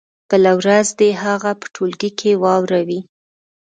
بله ورځ دې يې هغه په ټولګي کې واوروي.